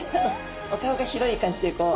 お顔が広い感じでこう。